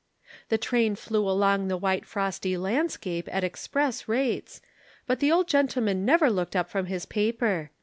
"The train flew along the white frosty landscape at express rates, but the old gentleman never looked up from his paper.